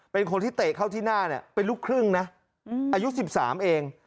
เป็นคนที่เตะเข้าที่หน้าเนี่ยเป็นลูกครึ่งนะอายุ๑๓เอง